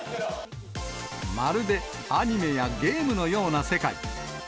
まるでアニメやゲームのような世界。